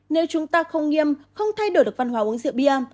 nếu chúng ta không nghiêm không thay đổi được văn hóa uống rượu bia